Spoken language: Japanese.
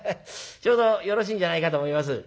ちょうどよろしいんじゃないかと思います」。